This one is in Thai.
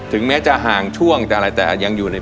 ถึงแม้จะห่างช่วงจะอะไรแต่ยังอยู่ใน